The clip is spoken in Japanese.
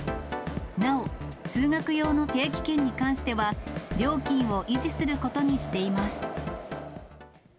なお、通学用の定期券に関しては、料金を維持することにしています。